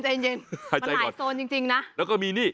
แก้ปัญหาผมร่วงล้านบาท